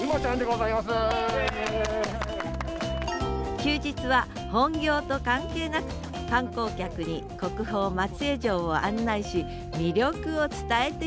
休日は本業と関係なく観光客に国宝・松江城を案内し魅力を伝えています